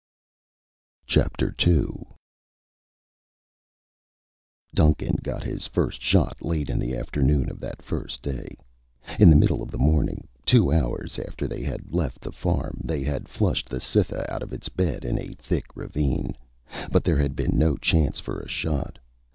II Duncan got his first shot late in the afternoon of that first day. In the middle of the morning, two hours after they had left the farm, they had flushed the Cytha out of its bed in a thick ravine. But there had been no chance for a shot.